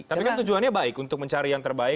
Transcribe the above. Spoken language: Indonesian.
tapi kan tujuannya baik untuk mencari yang terbaik